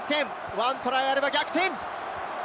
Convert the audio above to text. １トライあれば逆転。